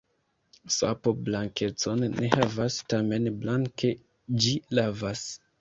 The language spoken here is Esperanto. Sapo blankecon ne havas, tamen blanke ĝi lavas.